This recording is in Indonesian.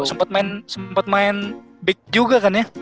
sempat main big juga kan ya